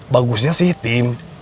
bagusnya sih tim